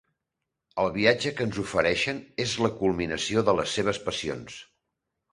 El viatge que ens ofereixen és la culminació de les seves passions.